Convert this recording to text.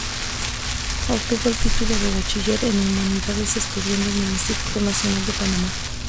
Obtuvo el título de Bachiller en Humanidades estudiando en el Instituto Nacional de Panamá.